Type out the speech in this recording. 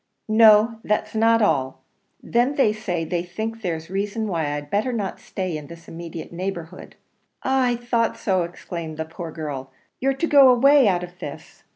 "No, that's not all: then they say they think there's reason why I'd better not stay in this immediate neighbourhood." "Ah! I thought so!" exclaimed the poor girl; "you're to go away out of this!"